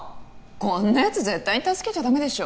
こんなやつ絶対に助けちゃダメでしょ